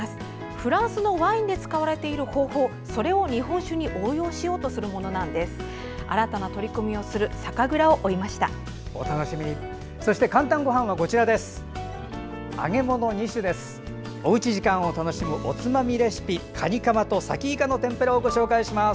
フランスのワインで使われている方法を日本酒に応用しようとするものなんです。